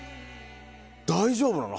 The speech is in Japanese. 大丈夫なの？